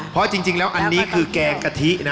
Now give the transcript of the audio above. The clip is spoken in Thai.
เพราะจริงแล้วอันนี้คือแกงกะทินะ